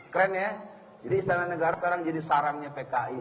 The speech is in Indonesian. keren ya jadi istana negara sekarang jadi sarannya pki